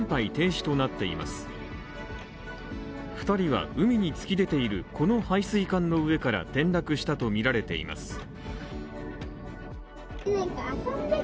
２人は海に突き出ているこの排水管の上から転落したとみられています。